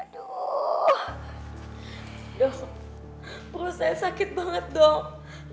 dok perut saya sakit banget dok